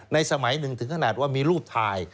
สมัยหนึ่งถึงขนาดว่ามีรูปถ่าย